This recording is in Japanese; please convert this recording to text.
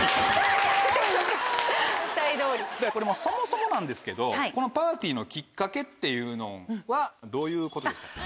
そもそもなんですけどこのパーティーのきっかけっていうのはどういうことですか？